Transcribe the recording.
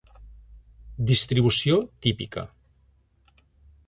Distribució típica.